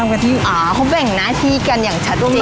เขาเป็นอย่างหน้าที่กันอย่างชัดจริง